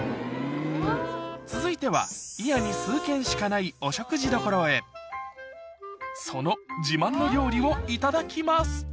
続いては祖谷に数軒しかないお食事処へその自慢の料理をいただきます